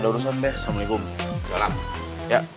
harus cari duit kemana ya